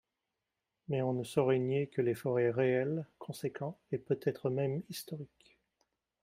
Mais on ne saurait nier que l’effort est réel, conséquent et peut-être même historique.